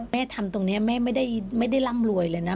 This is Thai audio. แม่ทำตรงนี้แม่ไม่ได้ร่ำรวยเลยนะ